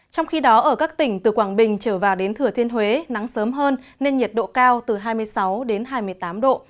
trong khi đó ở các tỉnh từ quảng bình trở vào đến thừa thiên huế nắng sớm hơn nên nhiệt độ cao từ hai mươi sáu đến hai mươi tám độ